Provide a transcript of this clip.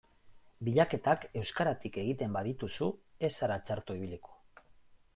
Bilaketak euskaratik egiten badituzu ez zara txarto ibiliko.